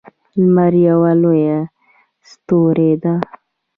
لمر یوه لویه ستوری ده